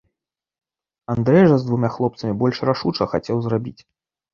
Андрэй жа з двума хлапцамі больш рашуча хацеў зрабіць.